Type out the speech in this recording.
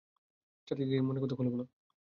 সার্সিকে গিয়ে মনের কথা খুলে বলো।